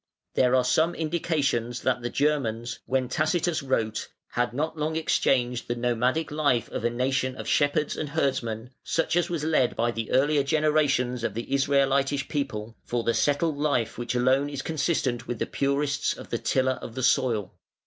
There are some indications that the Germans, when Tacitus wrote, had not long exchanged the nomadic life of a nation of shepherds and herdsmen (such as was led by the earlier generations of the Israelitish people) for the settled life which alone is consistent with the pursuits of the tiller of the soil.